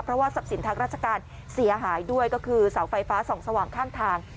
เพราะว่าทรัพย์สินทางราชการเสียหายด้วยก็คือเสาไฟฟ้าส่องสว่างข้างทาง